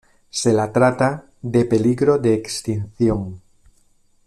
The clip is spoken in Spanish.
Se la trata en peligro de extinción.